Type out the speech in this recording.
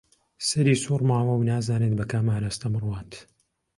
سەری سووڕماوە و نازانێت بە کام ئاراستە بڕوات